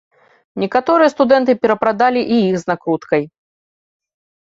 Некаторыя студэнты перапрадалі і іх з накруткай.